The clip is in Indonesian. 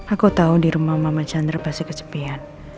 aku tau dirumah mama chandra pasti kesepian